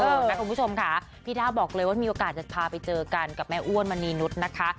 นะคุณผู้ชมค่ะพี่ด้าบอกเลยว่ามีโอกาสจะพาไปเจอกันกับแม่อ้วนมณีนุษย์นะคะ